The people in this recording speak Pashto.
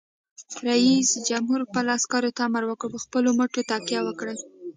رئیس جمهور خپلو عسکرو ته امر وکړ؛ په خپلو مټو تکیه وکړئ!